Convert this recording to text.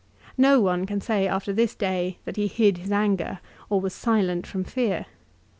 No one can say after this day that he hid his anger, or was silent from fear.